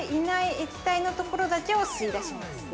液体のところだけを吸い出します。